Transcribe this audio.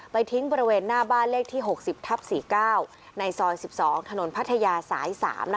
ทิ้งบริเวณหน้าบ้านเลขที่๖๐ทับ๔๙ในซอย๑๒ถนนพัทยาสาย๓